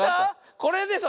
これでしょ！